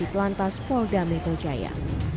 di kelantas holda metol jaya